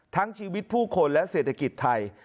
ทั้งชีวิตผู้คนและเศรษฐกิจไทย